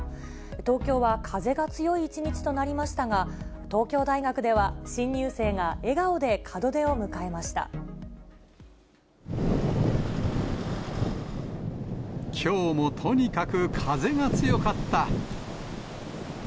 東京は風が強い一日となりましたが、東京大学では新入生が、きょうもとにかく風が強かった。